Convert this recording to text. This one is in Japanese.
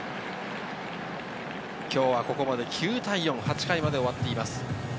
今日はここまで９対４、８回まで終わっています。